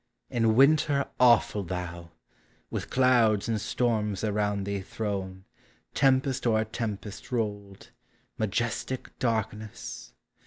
In Winter awful thou ! with clouds and storms Around thee thrown, tempest o'er tempest rolled. Majestic darkness!